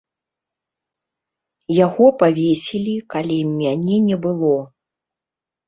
Яго павесілі, калі мяне не было.